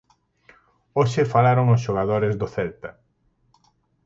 Hoxe falaron os xogadores do Celta.